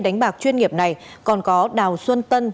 đánh bạc chuyên nghiệp này còn có đào xuân tân